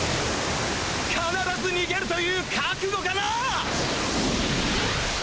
「必ず逃げる」という覚悟がなァ！